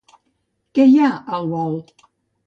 Què hi ha, al bol?